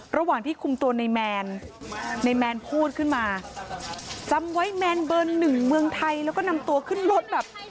ระหว่างที่คุมตัวในแมนในแมนพูดขึ้นมาจำไว้แมนเบอร์หนึ่งเมืองไทยแล้วก็นำตัวขึ้นรถแบบ